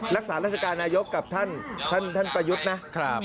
รักษาราชการนายกกับท่านประยุทธ์นะ